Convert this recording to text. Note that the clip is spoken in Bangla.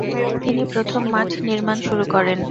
তিনি প্রথম মাঠ নির্মাণ শুরু করেন।